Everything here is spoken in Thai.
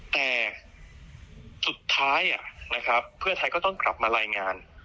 แต่สุดท้ายนะครับเพื่อไทยก็ต้องกลับมารายงาน